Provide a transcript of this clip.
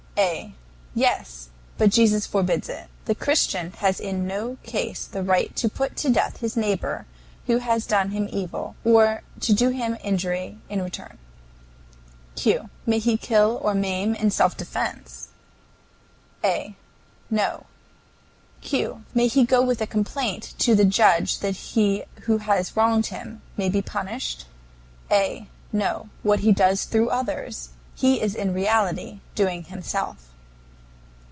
A. Yes. But Jesus forbids it. The Christian has in no case the right to put to death his neighbor who has done him evil, or to do him injury in return. Q. May he kill or maim him in self defense? A. No. Q. May he go with a complaint to the judge that he who has wronged him may be punished? A. No. What he does through others, he is in reality doing himself.